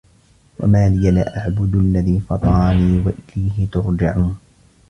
وَما لِيَ لا أَعبُدُ الَّذي فَطَرَني وَإِلَيهِ تُرجَعونَ